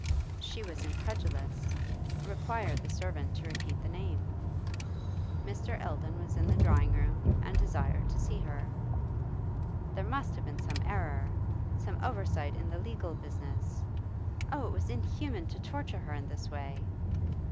She was incredulous, required the servant to repeat the name. Mr. Eldon was in the drawing room and desired to see her. There must have been some error, some oversight in the legal business. Oh, it was inhuman to torture her in this way!